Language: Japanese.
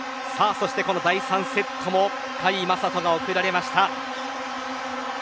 第３セットも甲斐優斗が送られました。